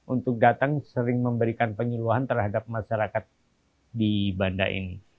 untuk datang sering memberikan penyuluhan terhadap masyarakat di banda ini